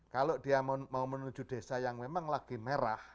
kalau dia mau menuju desa yang memang lagi merah